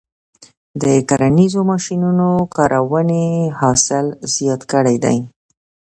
د کرنیزو ماشینونو کارونې حاصل زیات کړی دی.